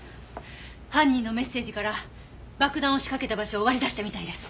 犯人のメッセージから爆弾を仕掛けた場所を割り出したみたいです。